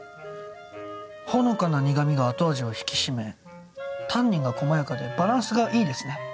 ほのかな苦味が後味を引き締めタンニンが細やかでバランスがいいですね。